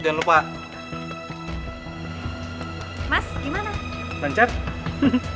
till' nini lah belum mati